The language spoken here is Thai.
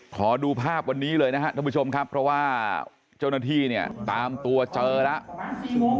ขอดูภาพวันนี้เลยนะครับท่านผู้ชมครับเพราะว่าเจ้าหน้าที่เนี่ยตามตัวเจอแล้ว